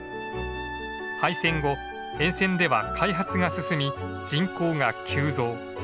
廃線後沿線では開発が進み人口が急増。